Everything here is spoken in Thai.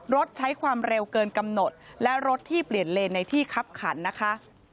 รถใช้ความเร็วเกินกำหนดและรถที่เปลี่ยนเลนในที่คับขันนะคะ